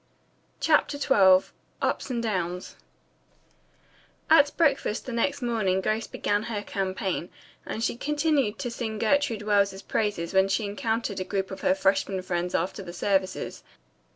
CHAPTER XII UPS AND DOWNS At breakfast the next morning Grace began her campaign, and she continued to sing Gertrude Wells's praises when she encountered a group of her freshmen friends after the services.